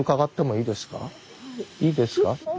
いいです！